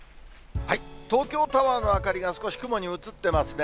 東京タワーの明かりが少し雲に映ってますね。